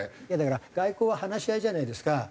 いやだから外交は話し合いじゃないですか。